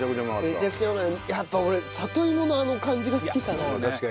やっぱ俺里芋のあの感じが好きかな。